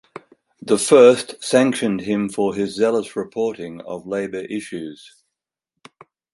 The first sanctioned him for his zealous reporting of labour issues.